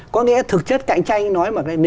có nghĩa là thực chất cạnh tranh nói mặt đây